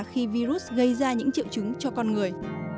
khi virus gây ra những triệu chứng cho con người